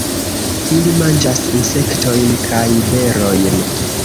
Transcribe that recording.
Ili manĝas insektojn kaj berojn.